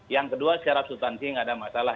yang kedua secara sustansi gak ada masalah